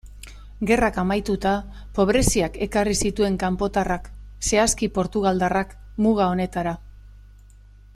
Gerrak amaituta, pobreziak ekarri zituen kanpotarrak, zehazki portugaldarrak, muga honetara.